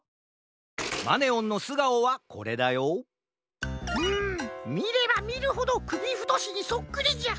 マネオンのすがおはこれだようんみればみるほどくびふとしにそっくりじゃ。